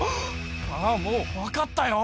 ああもう分かったよ。